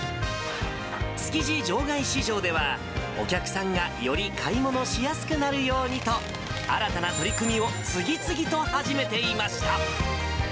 築地場外市場では、お客さんが、より買い物しやすくなるようにと、新たな取り組みを次々と始めていました。